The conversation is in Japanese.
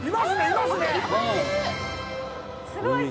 すごい！